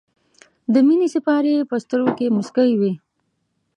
د مینې سېپارې یې په سترګو کې موسکۍ وې.